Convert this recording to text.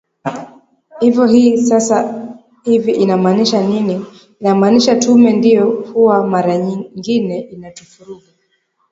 hivyo hii sasa hivi inamaanisha nini inamaanisha tume ndio huwa mara nyingine inatufuruga